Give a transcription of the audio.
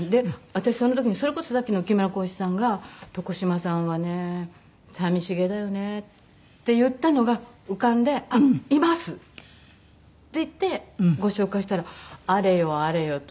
私その時にそれこそさっきの木村光一さんが「床嶋さんはね寂しげだよね」って言ったのが浮かんで「あっいます」って言ってご紹介したらあれよあれよと。